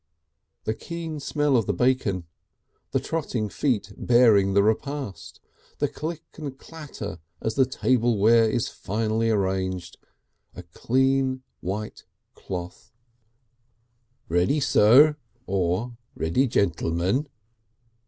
The keen smell of the bacon! The trotting of feet bearing the repast; the click and clatter as the tableware is finally arranged! A clean white cloth! "Ready, Sir!" or "Ready, Gentlemen."